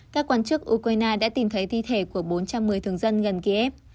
các quan chức ukraine đã tìm thấy thi thể của bốn trăm một mươi thường dân gần kiev